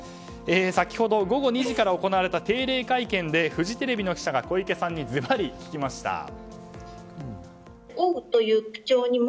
先ほど、午後２時からの定例会見でフジテレビの記者が小池さんにズバリ聞きました。